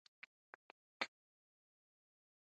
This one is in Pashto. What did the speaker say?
د ګټې ټکر باید افشا شي.